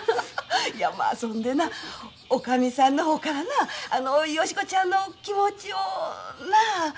いままあそんでな女将さんの方からなヨシ子ちゃんの気持ちをな。